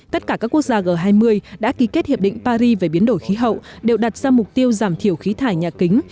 tất cả các quốc gia g hai mươi đã ký kết hiệp định paris về biến đổi khí hậu đều đặt ra mục tiêu giảm thiểu khí thải nhà kính